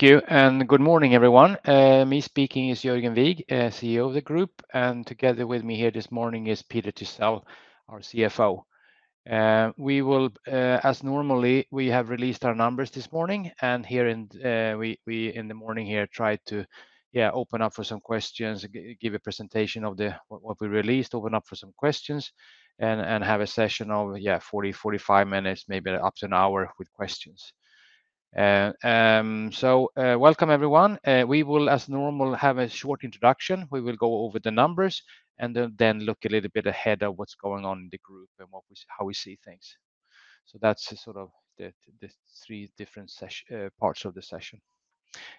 Thank you, and good morning, everyone. Me speaking is Jorgen Wigg, CEO of the group. And together with me here this morning is Peter Thistle, our CFO. We will, as normally, we have released our numbers this morning. And here in we we, in the morning here, try to, yeah, open up for some questions, give a presentation of the what we released, open up for some questions, and and have a session of, yeah, forty, forty five minutes, maybe up to an hour with questions. So, welcome, everyone. We will, as normal, have a short introduction. We will go over the numbers and then then look a little bit ahead of what's going on in the group and what we how we see things. So that's the sort of the the three different sesh parts of the session.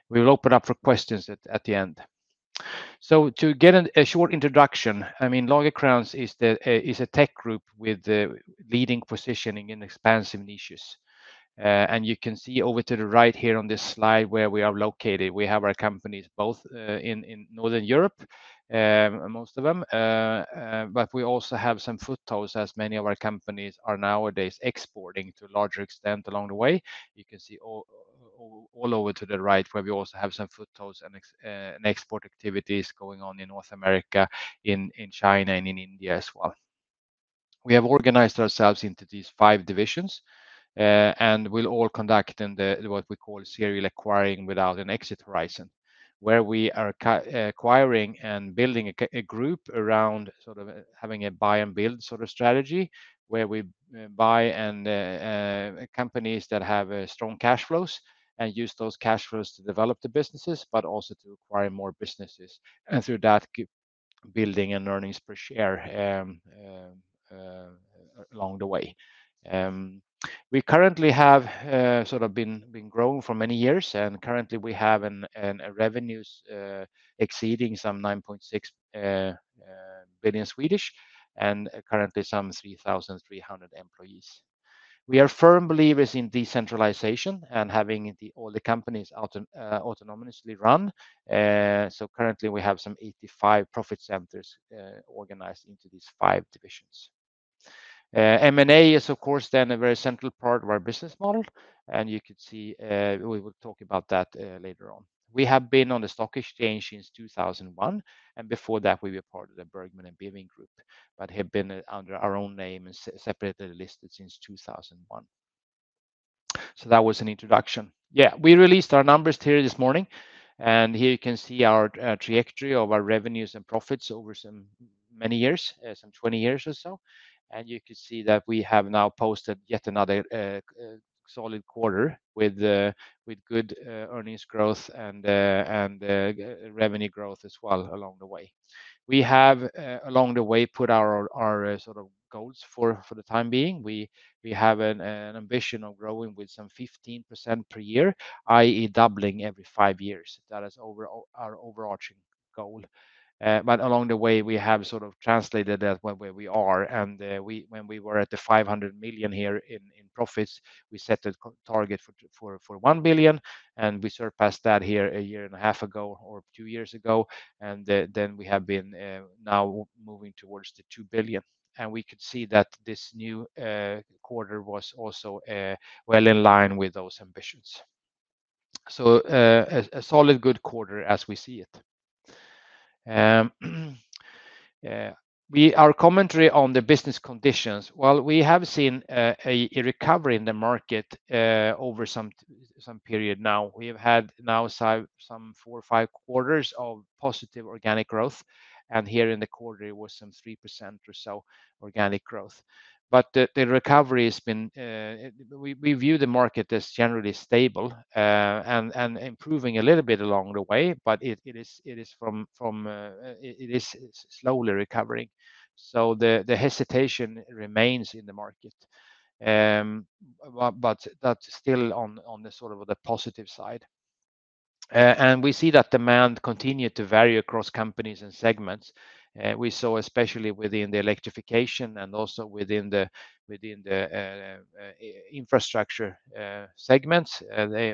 We will open up for questions at at the end. So to get an a short introduction, I mean, Lagercranes is the is a tech group with the leading positioning in expansive niches. And you can see over to the right here on this slide where we are located. We have our companies both in in Northern Europe, most of them, but we also have some footholds as many of our companies are nowadays exporting to a larger extent along the way. You can see all over to the right where we also have some footholds and ex and export activities going on in North America, in in China, and in India as well. We have organized ourselves into these five divisions, and we'll all conduct in the what we call serial acquiring without an exit horizon, where we are acquiring and building a a group around sort of having a buy and build sort of strategy where we buy companies that have strong cash flows and use those cash flows to develop the businesses, but also to acquire more businesses and through that building an earnings per share along the way. We currently have sort of been growing for many years. And currently, we have revenues exceeding some 9,600,000,000.0 and currently some 3,300 employees. We are firm believers in decentralization and having all the companies autonomously run. So currently, we have some 85 profit centers organized into these five divisions. M and A is, of course, then a very central part of our business model, and you could see we will talk about that later on. We have been on the Stock Exchange since 02/2001, and before that, we were part of the Bergmann and Bimin Group, but have been under our own name and separately listed since 02/2001. So that was an introduction. Yeah. We released our numbers here this morning. And here you can see our trajectory of our revenues and profits over some many years, some twenty years or so. And you can see that we have now posted yet another solid quarter with good earnings growth and revenue growth as well along the way. We have, along the way, put our sort of goals for the time being. We have an ambition of growing with some 15% per year, I. E, doubling every five years. That is our overarching goal. But along the way, we have sort of translated that where we are. And when we were at the 500,000,000 here in profits, we set a target for 1,000,000,000, and we surpassed that here one years point ago or two years ago. And then we have been now moving towards the 2,000,000,000. And we could see that this new quarter was also well in line with those ambitions. So a solid good quarter as we see it. We our commentary on the business conditions. Well, we have seen a recovery in the market over some period now. We have had now some four, five quarters of positive organic growth. And here in the quarter, it was some 3% or so organic growth. But the recovery has been we view the market as generally stable and improving a little bit along the way, but it is from it is slowly recovering. So the hesitation remains in the market, but that's still on the sort of the positive side. And we see that demand continue to vary across companies and segments. We saw especially within the electrification and also within infrastructure segments.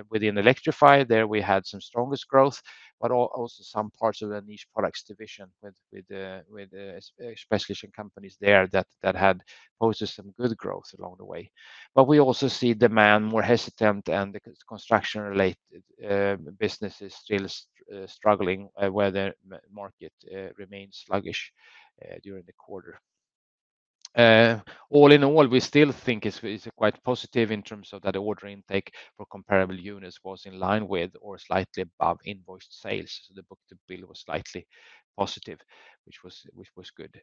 Within electrified, there, we had some strongest growth, but also some parts of the niche products division with the special companies there that had posted some good growth along the way. But we also see demand more hesitant and the construction related businesses still struggling, where the market remains sluggish during the quarter. All in all, we still think it's quite positive in terms of that order intake for comparable units was in line with or slightly above invoiced sales. So the book to bill was slightly positive, which was good.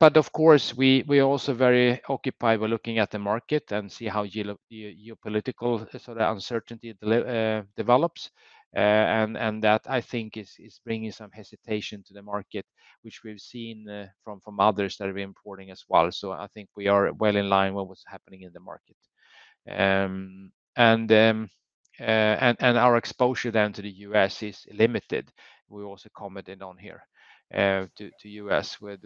But of course, we are also very occupied by looking at the market and see how geopolitical sort of uncertainty develops. And that, I think, is bringing some hesitation to the market, which we've seen from others that are importing as well. So I think we are well in line with what's happening in the market. And our exposure then to The U. S. Is limited. We also commented on here to U. S. With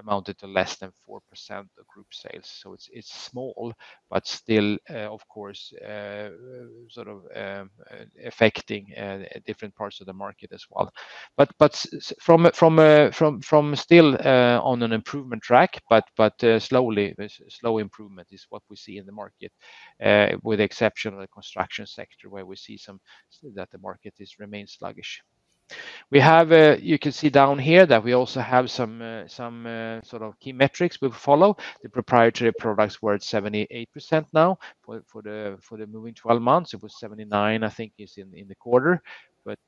amounted to less than 4% of group sales. So it's small, but still, of course, sort of affecting different parts of the market as well. But from still on an improvement track, but slowly slow improvement is what we see in the market with the exception of the construction sector, where we see some that the market has remained sluggish. We have, you can see down here that we also have some, some, sort of key metrics we'll follow. The proprietary products were at 78 percent now for the for the moving twelve months. It was 79, I think, is in in the quarter. But,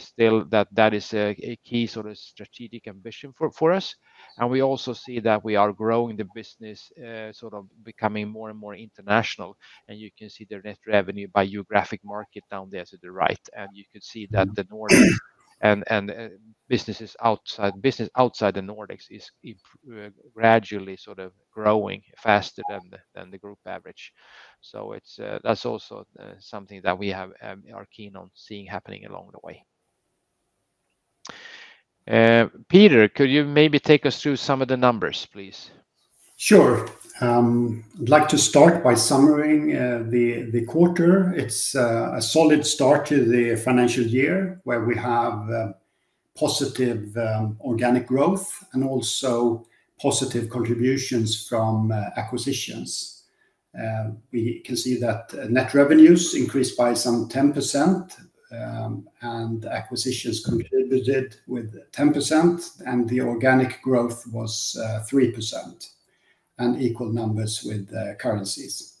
still, that that is a a key sort of strategic ambition for for us. And we also see that we are growing the business, sort of becoming more and more international, and you can see their net revenue by geographic market down there to the right. And you could see that the Nordic and and businesses outside business outside the Nordics is gradually sort of growing faster than the than the group average. So it's, that's also something that we have, are keen on seeing happening along the way. Peter, could you maybe take us through some of the numbers, please? Sure. I'd like to start by summary the quarter. It's solid start to the financial year where we have positive organic growth and also positive contributions from acquisitions. We can see that net revenues increased by some 10% and acquisitions contributed with 10% and the organic growth was 3% and equal numbers with currencies.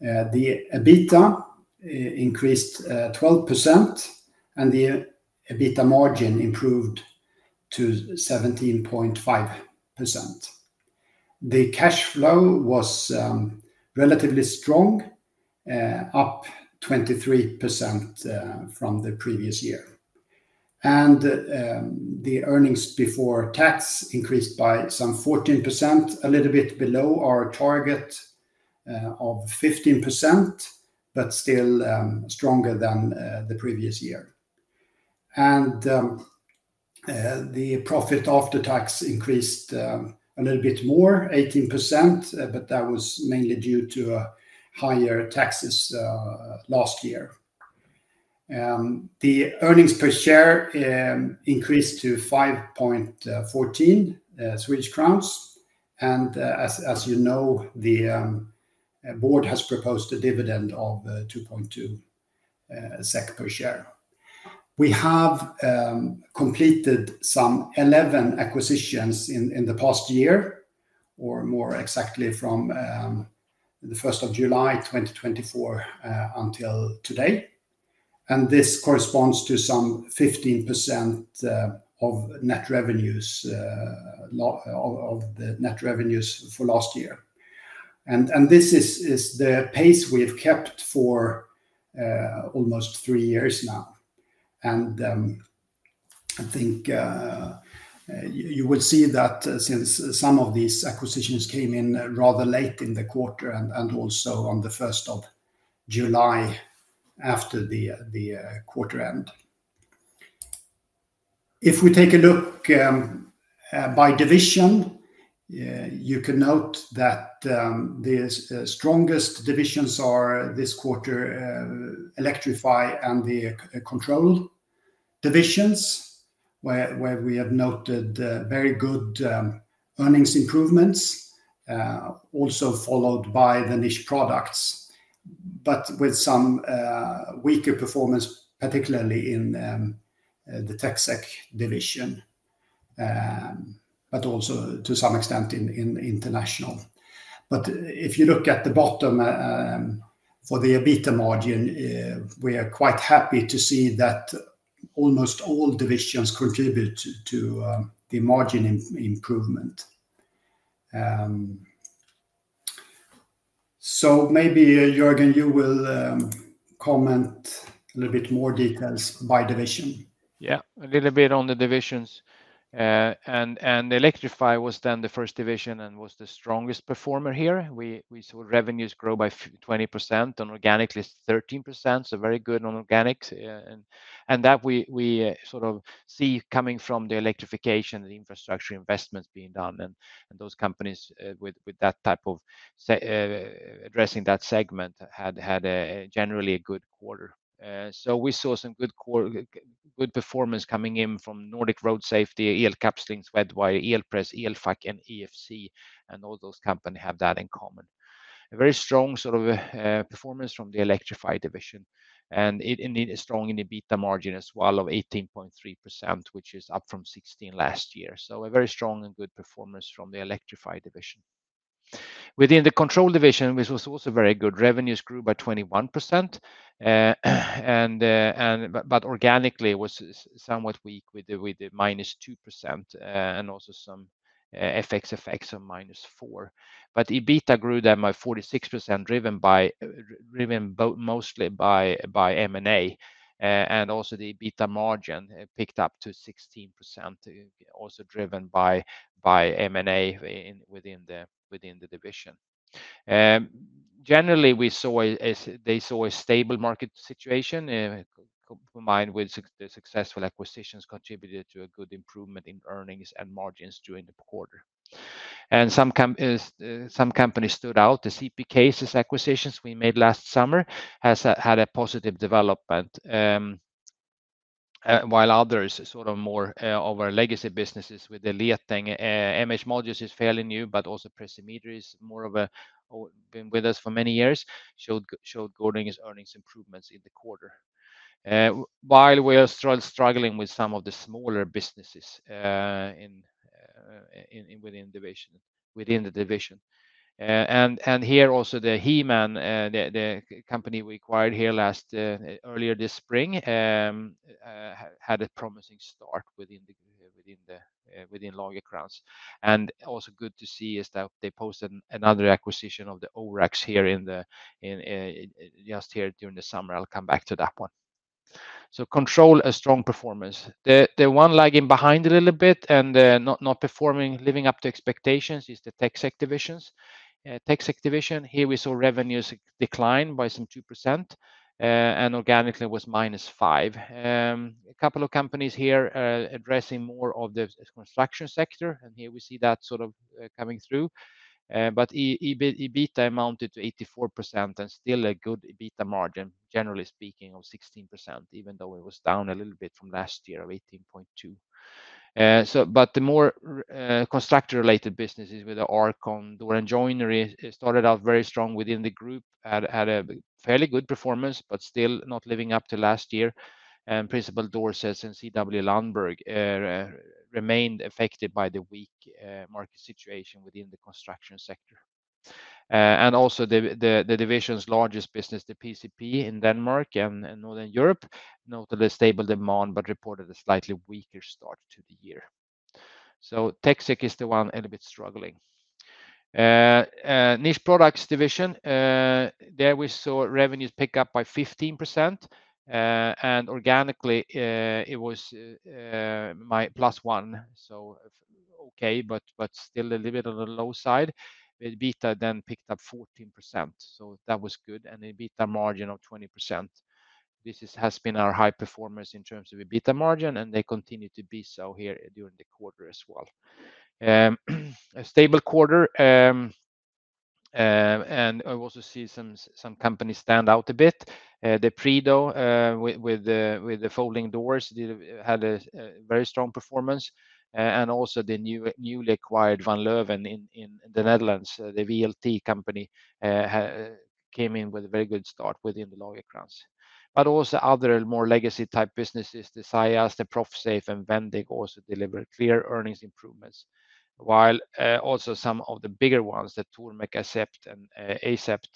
The EBITDA increased 12% and the EBITDA margin improved to 17.5%. The cash flow was relatively strong, up 23% from the previous year. And the earnings before tax increased by some 14%, a little bit below our target of 15%, but still stronger than the previous year. And the profit after tax increased a little bit more 18%, but that was mainly due to higher taxes last year. The earnings per share increased to 5.14 Swedish crowns. And as you know, the board has proposed a dividend of 2.2 SEK per share. We have completed some 11 acquisitions in the past year or more exactly from the 07/01/2024 until today. And this corresponds to some 15% of net revenues of of the net revenues for last year. And and this is is the pace we have kept for almost three years now. And I think you would see that since some of these acquisitions came in rather late in the quarter and and also on the July 1 after the the quarter end. If we take a look by division, you can note that the strongest divisions are this quarter Electrify and the Control divisions where where we have noted very good earnings improvements, also followed by the niche products, but with some, weaker performance particularly in, the tech sec division, but also to some extent in in international. But if you look at the bottom, for the EBITDA margin, we are quite happy to see that almost all divisions contribute to, the margin improvement. So maybe, Juergen, you will comment a little bit more details by division. Yeah. A little bit on the divisions. And and Electrify was then the first division and was the strongest performer here. We saw revenues grow by 20% and organically 13%, so very good on organic. And that we sort of see coming from the electrification, the infrastructure investments being done And those companies with that type of addressing that segment had generally a good quarter. So we saw some good performance coming in from Nordic Road Safety, E. L. Capslings, Wedwire, E. L. Press, E. L. FAC and EFC and all those company have that in common. A very strong sort of performance from the Electrify division. And indeed, a strong EBITDA margin as well of 18.3%, which is up from 16% last year. So a very strong and good performance from the Electrify division. Within the Control division, which was also very good, revenues grew by 21%. And but organically, it was somewhat weak with minus 2% and also some FX effects of minus 4%. But EBITDA grew then by 46%, driven by driven mostly by M and A. And also, the EBITDA margin picked up to 16%, also driven by M and A within the division. Generally, we saw they saw a stable market situation, combined with the successful acquisitions contributed to a good improvement in earnings and margins during the quarter. And some companies stood out. The CPK's acquisitions we made last summer has had a positive development, while others sort of more of our legacy business with the Lia thing. MH modules is fairly new, but also Pressymeter is more of a been with us for many years, showed Goring's earnings improvements in the quarter. While we are struggling with some of the smaller businesses within the division. And here also the He Man, the company we acquired here last earlier this spring, had a promising start within Lagercrans. And also good to see is that they posted another acquisition of the Orax here in the in just here during the summer. I'll come back to that one. So Control, a strong performance. The the one lagging behind a little bit and not not performing, living up to expectations is the TechSec divisions. TechSec division, here, we saw revenues decline by some 2%, and organically, was minus 5%. A couple of companies here addressing more of the construction sector, and here, we see that sort of coming through. But EBITDA amounted to 84 percent and still a good EBITDA margin, generally speaking, of 16%, even though it was down a little bit from last year of 18.2%. So but the more constructor related businesses with the Arkon, door and joinery started out very strong within the group, had a fairly good performance, but still not living up to last year. And Principal Dorsets and CW Landberg remained affected by the weak market situation within the construction sector. And also, the division's largest business, the PCP in Denmark and Northern Europe, noted a stable demand but reported a slightly weaker start to the year. So TechSec is the one a little bit struggling. Niche Products division, there we saw revenues pick up by 15%. And organically, it was plus 1%, so okay, but still a little bit on the low side. EBITA then picked up 14%, so that was good, and EBITA margin of 20%. This has been our high performance in terms of EBITA margin, and they continue to be so here during the quarter as well. A stable quarter. And I've also seen some companies stand out a bit. The Prideaux with the folding doors had a very strong performance. And also the newly acquired Vanleuven in The Netherlands, the VLT company came in with a very good start within the Lauvekrans. But also other more legacy type businesses, the Sajas, the Profisafe and Vendig also delivered clear earnings improvements, while also some of the bigger ones, the Thulmek, Asept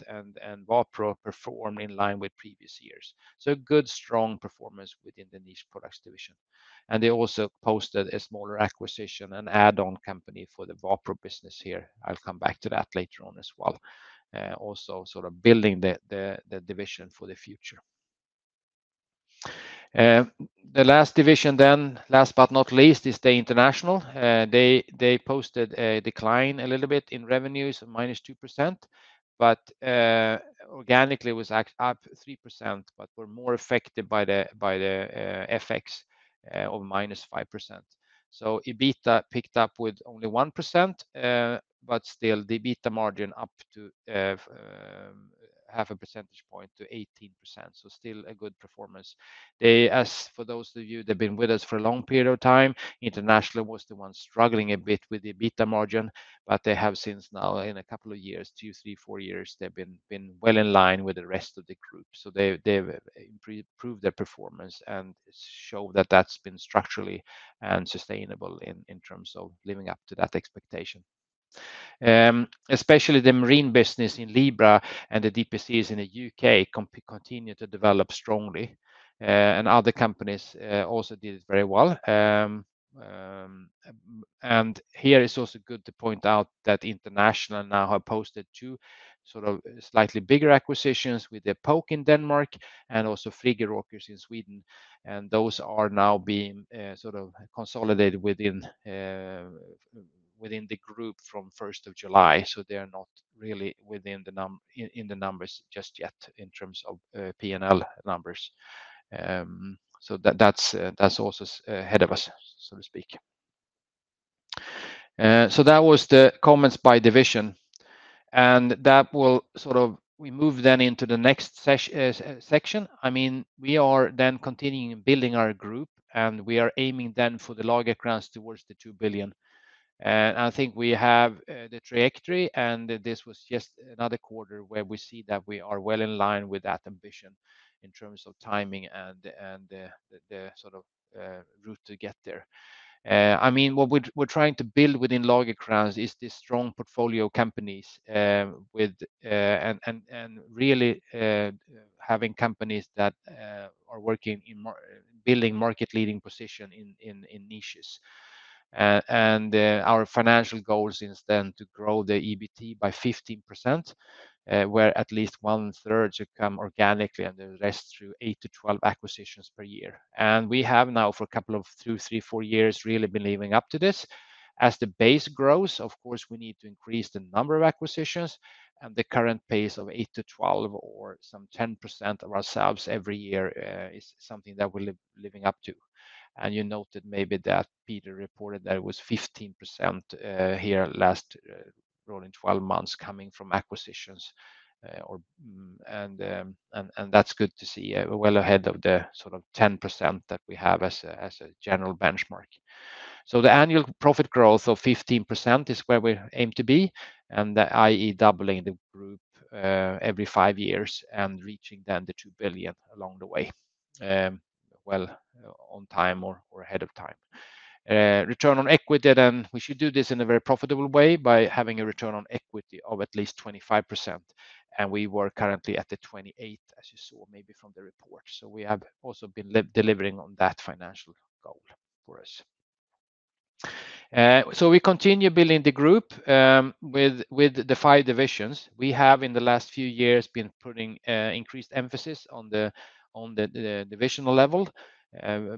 and Vopro performed in line with previous years. So a good strong performance within the niche products division. And they also posted a smaller acquisition and add on company for the Vopra business here. I'll come back to that later on as well, also sort of building the division for the future. The last division then, last but not least, is the International. They posted a decline a little bit in revenues of minus 2%, but organically, it was up 3%, but were more affected by the FX of minus five percent. So EBITA picked up with only 1%, but still the EBITA margin up to zero five percentage point to 18%, so still a good performance. As for those of you that have been with us for a long period of time, International was the one struggling a bit with the EBITA margin, but they have since now in a couple of years, two, three, four years, they've been well in line with the rest of the group. So they've improved their performance and show that, that's been structurally sustainable terms of living up to that expectation. Especially the Marine business in Libra and the DPCs in The UK continue to develop strongly. And other companies also did very well. And here, it's also good to point out that International now have posted two sort of slightly bigger acquisitions with their Polk in Denmark and also Frigarokers in Sweden. And those are now being sort of consolidated within the group from July 1. So they are not really within the numbers just yet in terms of P and L numbers. So that's also ahead of us, so to speak. So that was the comments by division. And that will sort of we move then into the next section. I mean, we are then continuing building our group, and we are aiming then for the larger grants towards the 2,000,000,000. And I think we have the trajectory, and this was just another quarter where we see that we are well in line with that ambition in terms of timing and the sort of route to get there. I mean, what we're trying to build within Lagercrans is this strong portfolio of companies with and really having companies that are working in building market leading position in niches. And our financial goal since then to grow the EBT by 15%, where at least onethree should come organically and the rest through eight to 12 acquisitions per year. And we have now for a couple of two, three, four years really been living up to this. As the base grows, of course, we need to increase the number of acquisitions. And the current pace of eight to 12 or some 10% of ourselves every year is something that we're living up to. And you noted maybe that Peter reported that it was 15% here last rolling twelve months coming from acquisitions. And that's good to see, well ahead sort of 10% that we have as a general benchmark. So the annual profit growth of 15% is where we aim to be, and I. E, doubling the group every five years and reaching then the 2,000,000,000 along the way, well, on time or ahead of time. Return on equity then, we should do this in a very profitable way by having a return on equity of at least 25%. And we were currently at the 28%, as you saw maybe from the report. So we have also been delivering on that financial goal for us. So we continue building the group with the five divisions. We have, in the last few years, been putting increased emphasis on the divisional level,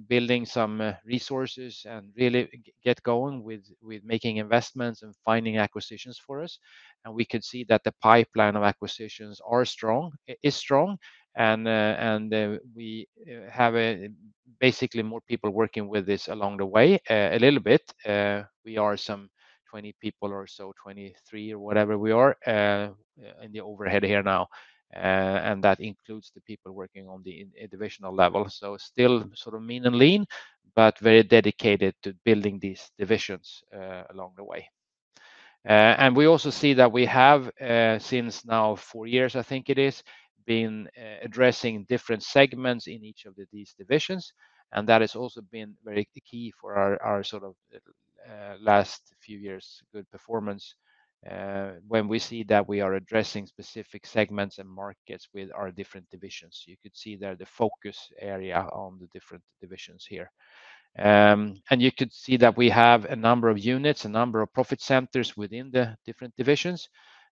building some resources and really get going with making investments and finding acquisitions for us. And we could see that the pipeline of acquisitions are strong is strong, and we have basically more people working with this along the way a little bit. We are some 20 people or so, 23 or whatever we are in the overhead here now, And that includes the people working on the divisional level. So still sort of mean and lean, but very dedicated to building these divisions along the way. And we also see that we have, since now four years, I think it is, been addressing different segments in each of these divisions. And that has also been very key for our sort of last few years' good performance when we see that we are addressing specific segments and markets with our different divisions. You could see there the focus area on the different divisions here. And you could see that we have a number of units, a number of profit centers within the different divisions,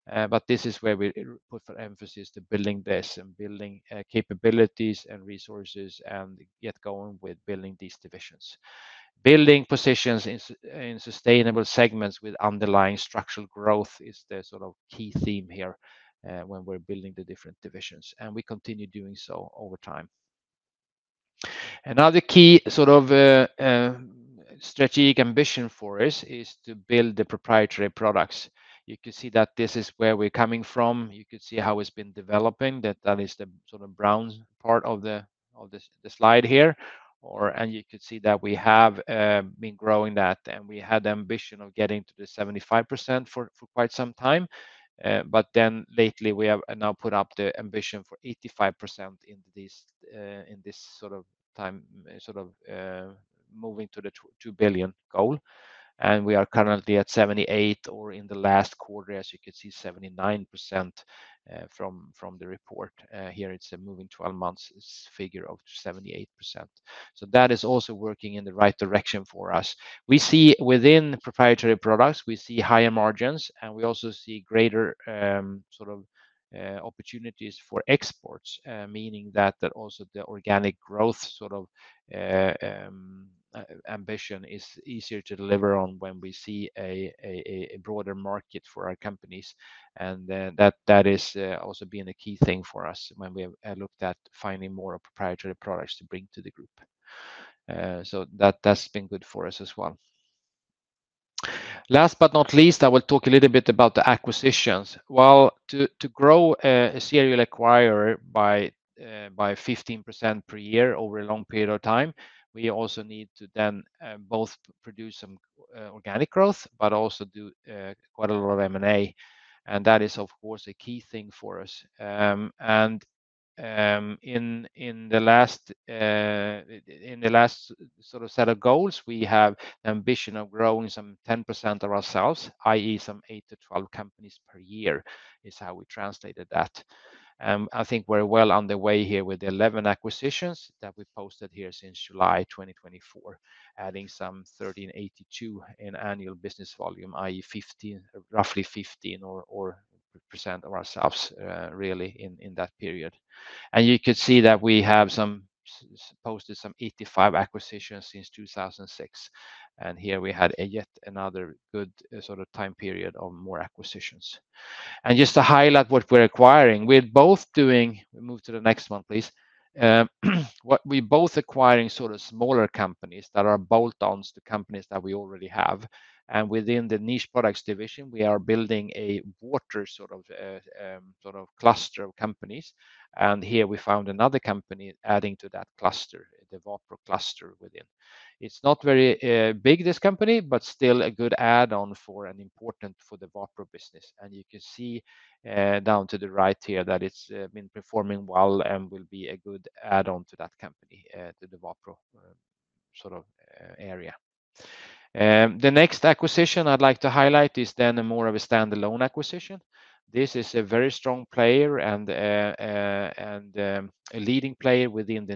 but this is where we put emphasis to building this and building capabilities and resources and get going with building these divisions. Building positions in sustainable segments with underlying structural growth is the sort of key theme here when we're building the different divisions, and we continue doing so over time. Another key sort of strategic ambition for us is to build the proprietary products. You can see that this is where we're coming from. You could see how it's been developing. That is the sort of brown part of the slide here. Or and you could see that we have been growing that, and we had the ambition of getting to the 75% for quite some time. But then lately, we have now put up the ambition for 85 in this sort of time sort of moving to the 2,000,000,000 goal. And we are currently at 78,000,000,000 or in the last quarter, as you can see, 79% from the report. Here, it's a moving twelve months figure of 78%. So that is also working in the right direction for us. We see within the Proprietary Products, we see higher margins, and we also see greater sort of opportunities for exports, meaning that also the organic growth sort of ambition is easier to deliver on when we see broader market for our companies. And that that is also been a key thing for us when we have looked at finding more proprietary products to bring to the group. So that that's been good for us as well. Last but not least, I will talk a little bit about the acquisitions. Well, to grow a serial acquirer by 15% per year over a long period of time, we also need to then both produce some organic growth but also do quite a lot of M and A. And that is, of course, a key thing for us. And in the last sort of set of goals, we have ambition of growing some 10% of ourselves, I. E, some eight to 12 companies per year is how we translated that. I think we're well underway here with 11 acquisitions that we posted here since July 2024, adding some thirteen eighty two in annual business volume, I. E, 15 roughly 15 or percent of ourselves really in that period. And you could see that we have some posted some 85 acquisitions since 02/2006. And here, we had yet another good sort of time period of more acquisitions. And just to highlight what we're acquiring, we're both doing we move to the next one, please. What we're both acquiring sort of smaller companies that are bolt ons to companies that we already have. And within the niche products division, we are building a water sort of cluster of companies. And here, we found another company adding to that cluster, the Vopro cluster within. It's not very big, this company, but still a good add on for and important for the Vopro business. And you can see down to the right here that it's been performing well and will be a good add on to that company, to the Wapro sort of area. The next acquisition I'd like to highlight is then a more of a stand alone acquisition. This is a very strong player and a leading player within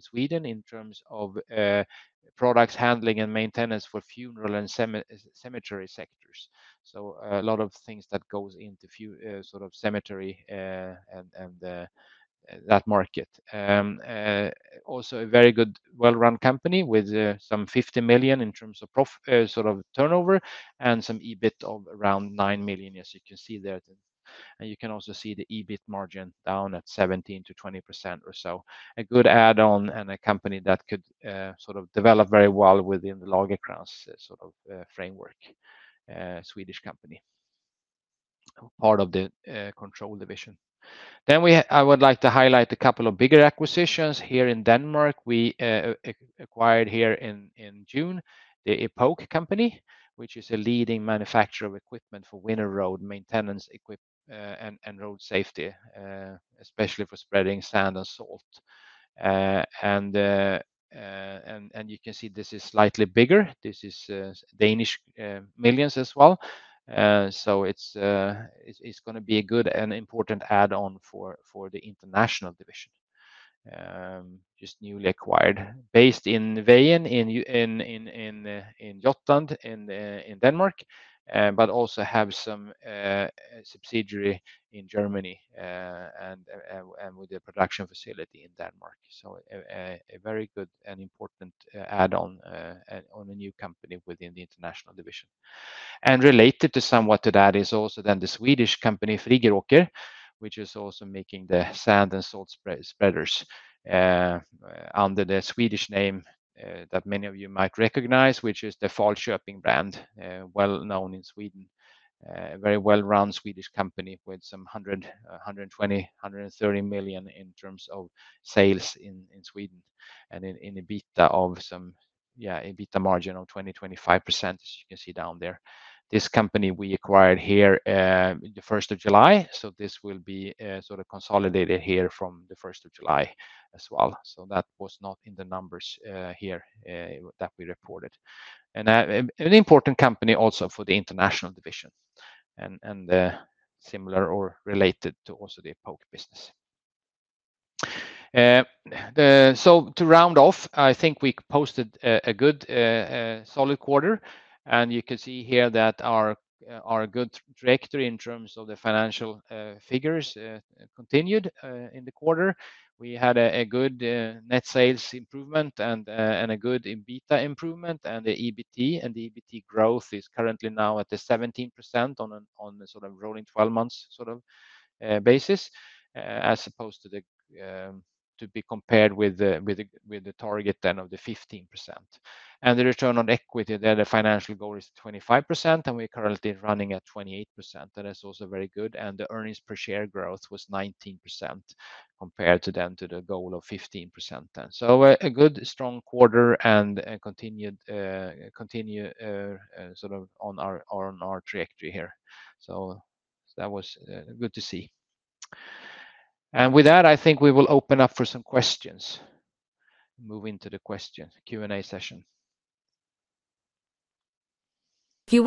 Sweden in terms of products handling and maintenance for funeral and cemetery sectors. So a lot of things that goes into sort of cemetery and that market. Also a very good well run company with some 50,000,000 in terms of sort of turnover and some EBIT of around 9,000,000, as you can see there. And you can also see the EBIT margin down at 17% to 20% or so, a good add on and a company that could sort of develop very well within the Lagercrans sort of framework, Swedish company, part of the Control division. Then we I would like to highlight a couple of bigger acquisitions. Here in Denmark, we acquired here in June the Epoch company, which is a leading manufacturer of equipment for winter road maintenance and road safety, especially for spreading sand and salt. And you can see this is slightly bigger. This is Danish millions as well. So it's going to be a good and important add on for the international division, just newly acquired. Based in Weyen in Jotland in Denmark, but also have some subsidiary in Germany and with their production facility in Denmark. So a very good and important add on on a new company within the international division. And related somewhat to that is also then the Swedish company, Frigerokke, which is also making the sand and salt spreaders under the Swedish name that many of you might recognize, which is the Pfalzshopping brand, well known in Sweden, a very well run Swedish company with some €100 120,000,000 €130,000,000 in terms of sales in Sweden and an EBITDA of some yes, EBITDA margin of 20%, 25%, as you can see down there. This company we acquired here in the July 1, so this will be sort of consolidated here from the July 1 as well. So that was not in the numbers here that we reported. And an important company also for the International division and similar or related to also the Polk business. So to round off, I think we posted a good solid quarter. And you can see here that our good trajectory in terms of the financial figures continued in the quarter. We had a good net sales improvement and a good EBITDA improvement and the EBT. And the EBT growth is currently now at the 17% on the sort of rolling twelve months sort of basis as opposed to the to be compared with the target then of the 15%. And the return on equity there, the financial goal is 25%, and we're currently running at 28%. That is also very good. And the earnings per share growth was 19% compared to then to the goal of 15%. So a good strong quarter and continued sort of on our trajectory here. So that was good to see. And with that, I think we will open up for some questions. Moving to the questions Q and A session. The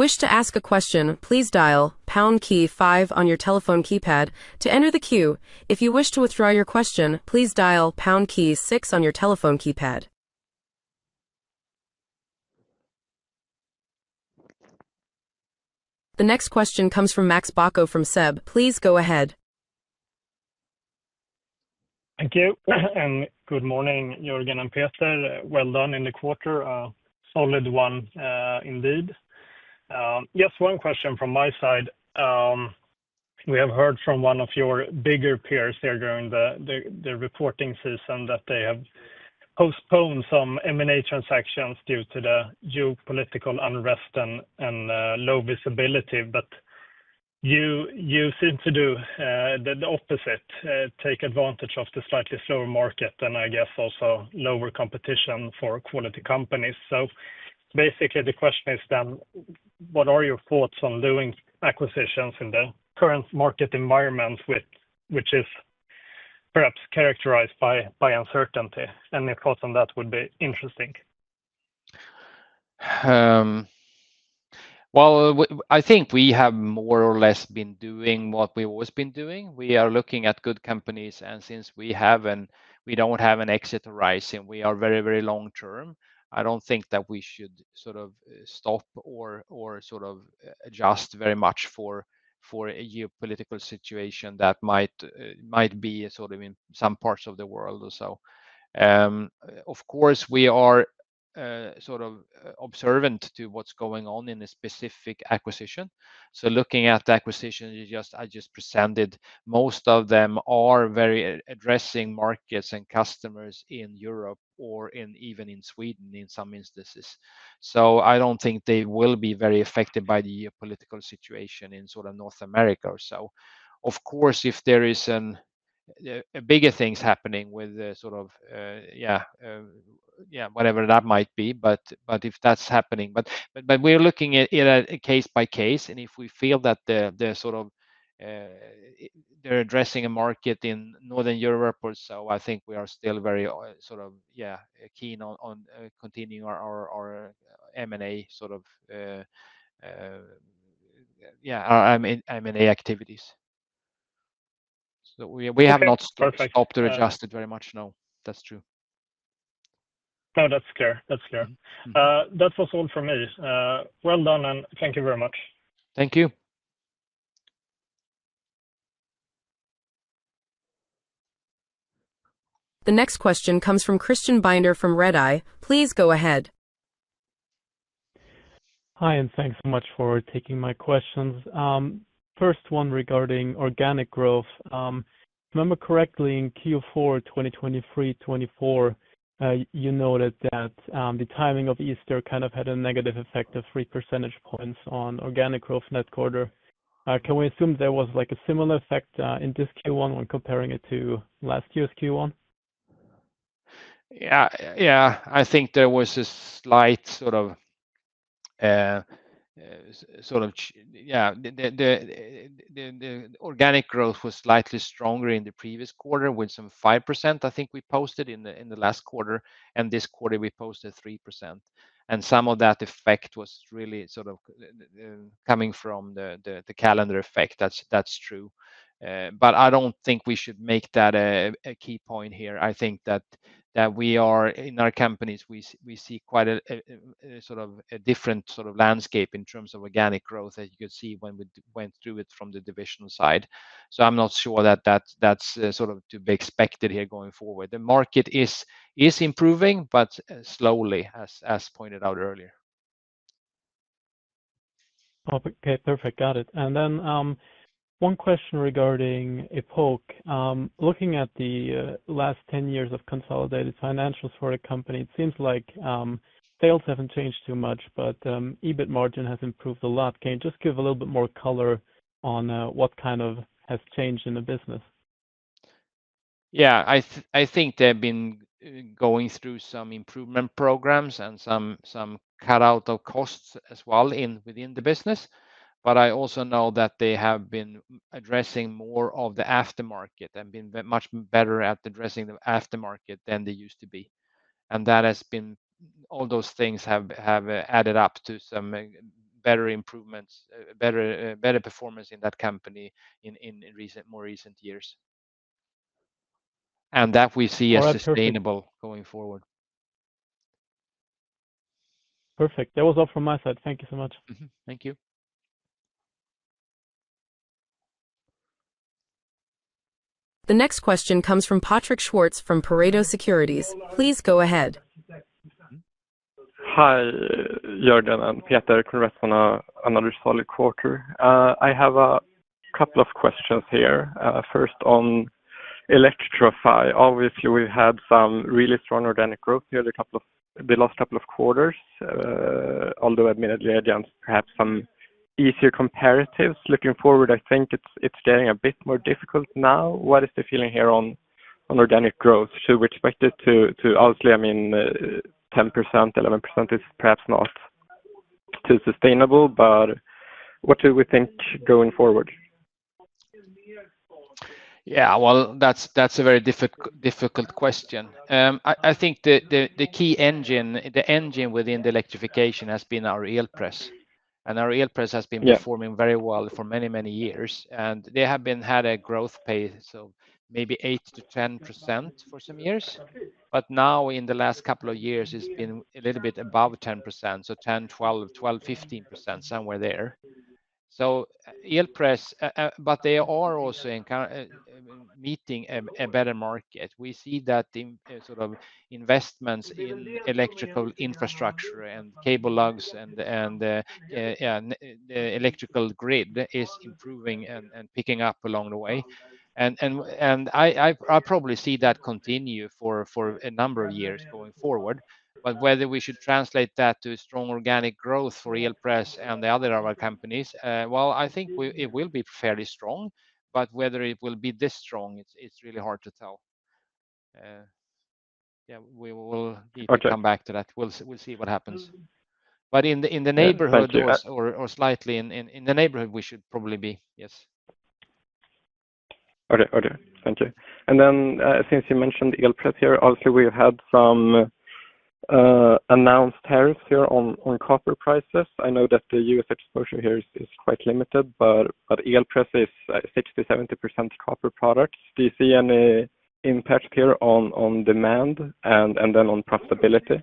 next question comes from Max Baco from SEB. Please go ahead. Thank you, and good morning, Jurgen and Petr. Well done in the quarter. Solid one indeed. Just one question from my side. We have heard from one of your bigger peers there during the the the reporting system that they have postponed some m and a transactions due to the geopolitical unrest and and low visibility, but you you seem to do the the opposite, take advantage of the slightly slower market and, I guess, also lower competition for quality companies. So basically, the question is then what are your thoughts on doing acquisitions in the current market environment with which is perhaps characterized by by uncertainty? Any thoughts on that would be interesting. Well, I think we have more or less been doing what we've always been doing. We are looking at good companies. And since we haven't we don't have an exit horizon, we are very, very long term, I don't think that we should sort of stop or sort of adjust very much for a geopolitical situation that might be sort of in some parts of the world or so. Of course, we are sort of observant to what's going on in a specific acquisition. So looking at the acquisitions, you just I just presented, most of them are very addressing markets and customers in Europe or even in Sweden in some instances. So I don't think they will be very affected by the geopolitical situation in sort of North America or so. Of course, if there is an bigger things happening with sort of whatever that might be, but if that's happening. But we are looking at it case by case. And if we feel that they're sort of they're addressing a market in Northern Europe or so, I think we are still very sort of, keen on on continuing our our our m and a sort of, yeah, our m and a activities. So we we have not stopped or adjusted very much. No. That's true. The next question comes from Christian Binder from Redeye. Please go ahead. Hi, and thanks so much for taking my questions. First one regarding organic growth. If I remember correctly, in q four twenty twenty three, 'twenty four, you noted that the timing of Easter kind of had a negative effect of three percentage points on organic growth in that quarter. Can we assume there was, like, a similar effect in this q one when comparing it to last year's Q1? Yes. I think there was a slight sort of yes, the organic growth was slightly stronger in the previous quarter with some 5%, I think, we posted in the last quarter. And this quarter, we posted 3%. And some of that effect was really sort of coming from the calendar effect. That's true. But I don't think we should make that a key point here. I think that we are in our companies, we see quite a sort of a different sort of landscape in terms of organic growth, as you could see when we went through it from the divisional side. I'm not sure that, that's sort of to be expected here going forward. The market is improving but slowly, as pointed out earlier. Okay. Perfect. Got it. And then one question regarding Epoch. Looking at the last ten years of consolidated financials for the company, it seems like sales haven't changed too much, but EBIT margin has improved a lot. Can you just give a little bit more color on what kind of has changed in the business? Yes. I think they've been going through some improvement programs and some cutout of costs as well in within the business. But I also know that they have been addressing more of the aftermarket and been much better at addressing the aftermarket than they used to be. And that has been all those things have added up to some better improvements better better performance in that company in in recent more recent years. And that we see as sustainable going forward. Perfect. That was all from my side. Thank you so much. Mhmm. Thank you. The next question comes from Patrick Schwartz from Pareto Securities. Please go ahead. Hi, Jordan and Pieta. Congrats on another solid quarter. I have a couple of questions here. First, on Electrify. Obviously, we had some really strong organic growth here in the couple of the last couple of quarters, although admittedly, again, perhaps some easier comparatives. Looking forward, I think it's it's getting a bit more difficult now. What is the feeling here on on organic growth? Should we expect it to to obviously, mean, 10%, 11% is perhaps not too sustainable, but what do we think going forward? Yes. Well, that's a very difficult question. I think the key engine the engine within the electrification has been our ILPRESS. And our ILPRESS has been performing very well for many, many years. And they have been had a growth pace, so maybe 8% to 10% for some years. But now in the last couple of years, it's been a little bit above 10%, so 10%, 12%, 12%, 15%, somewhere there. So Ilpress but they are also meeting a better market. We see that in sort of investments in electrical infrastructure and cable logs and electrical grid is improving and picking up along the way. And I probably see that continue for a number of years going forward. But whether we should translate that to strong organic growth for ILPress and the other of our companies, well, I think it will be fairly strong. But whether it will be this strong, it's really hard to tell. Yes, we will be able to come back to that. We'll see what happens. In the neighborhood or slightly in the neighborhood, we should probably be, yes. Okay. Okay. Thank you. And then since you mentioned Ilprat here, also we have had some announced tariffs here on on copper prices. I know that The US exposure here is is quite limited, but but ELPress is 70% copper products. Do you see any impact here on on demand and and then on profitability?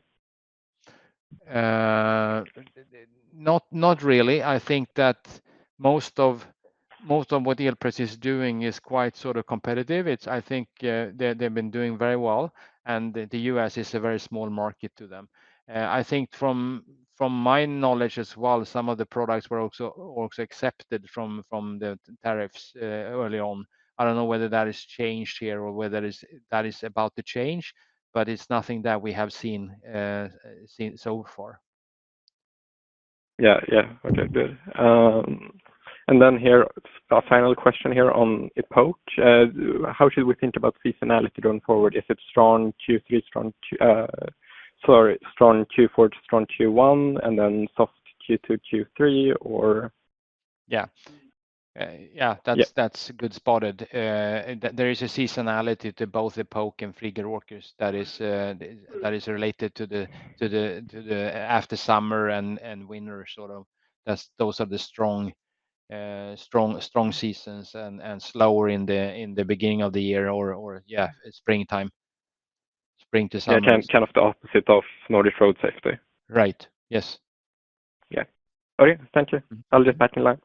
Not really. I think that most of what Ilpress is doing is quite sort of competitive. It's I think they've been doing very well, and The U. S. Is a very small market to them. I think from my knowledge as well, some of the products were also accepted from the tariffs early on. I don't know whether that has changed here or whether that is about to change, but it's nothing that we have seen so far. Yeah. Yeah. Okay. Good. And then here, a final question here on Epoche. How should we think about seasonality going forward? Is it strong q three, strong sorry, strong Q4 to strong Q1 and then soft Q2, Q3? Or Yes. Yes, that's good spotted. There is a seasonality to both the Polk and Flieger Orkus that is related to the after summer and winter sort of. Those are the strong seasons and slower in the beginning of the year or, yes, springtime. Spring to summer. Kind of the opposite of Nordic road safety. Right. Yes. Yeah. Okay. Thank you. I'll get back in line.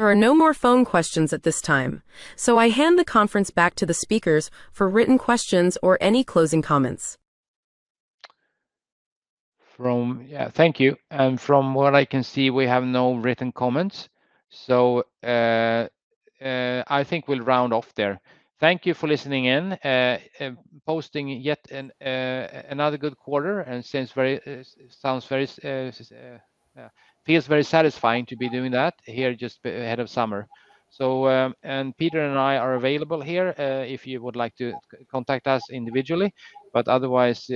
Back to the speakers for written questions or any closing comments. Thank you. And from what I can see, we have no written comments. So I think we'll round off there. Thank you for listening in, posting yet another good quarter and since very sounds very feels very satisfying to be doing that here just ahead of summer. So, and Peter and I are available here, if you would like to contact us individually. But otherwise,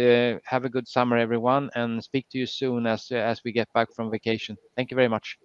have a good summer, everyone, and speak to you soon as as we get back from vacation. Thank you very much.